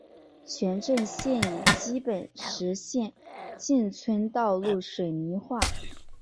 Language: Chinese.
全镇现已基本实现进村道路水泥化。